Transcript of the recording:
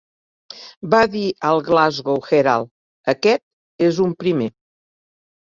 Va dir al "Glasgow Herald", "Aquest és un primer.